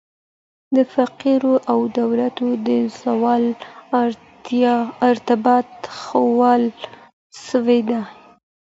د فقرو او دولت د زوال ارتباط ښوول سوي دي.